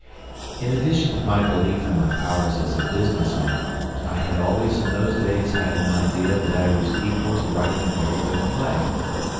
In addition to my belief in my powers as a business man, I had always in those days had an idea that I was equal to writing a very good play.